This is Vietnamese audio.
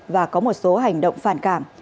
và có một số hành động phản cảm